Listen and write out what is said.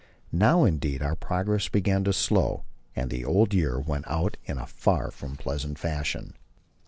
Now, indeed, our progress began to be slow, and the old year went out in a far from pleasant fashion.